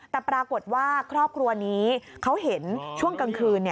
แต่ปรากฏว่าครอบครัวนี้เขาเห็นช่วงกลางคืน